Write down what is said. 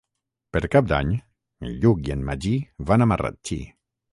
Per Cap d'Any en Lluc i en Magí van a Marratxí.